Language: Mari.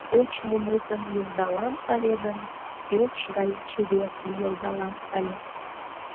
Ӧрш мунетын йӱлдалам ыле гын, ӧрш гае чевер лийылдалам ыле.